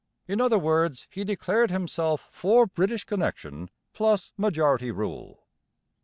In other words, he declared himself for British connection plus majority rule.